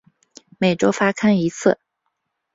每周发刊一次。